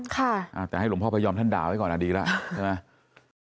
ค่ะอ่าแต่ให้หลวงพ่อไปยอมท่านด่าไว้ก่อนอ่ะดีล่ะใช่ไหม